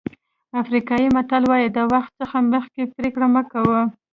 افریقایي متل وایي د وخت څخه مخکې پرېکړه مه کوئ.